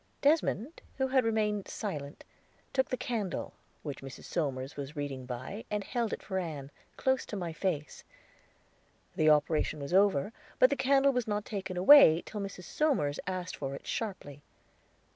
Desmond, who had remained silent, took the candle, which Mrs. Somers was reading by, and held it for Ann, close to my face. The operation was over, but the candle was not taken away till Mrs. Somers asked for it sharply.